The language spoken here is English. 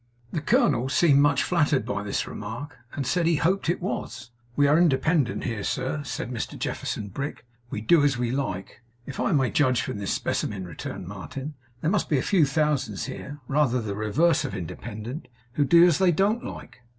The colonel seemed much flattered by this remark; and said he hoped it was. 'We are independent here, sir,' said Mr Jefferson Brick. 'We do as we like.' 'If I may judge from this specimen,' returned Martin, 'there must be a few thousands here, rather the reverse of independent, who do as they don't like.